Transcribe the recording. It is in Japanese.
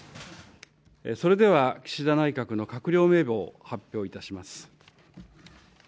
それでは岸田内閣の閣僚名簿を発表いたします。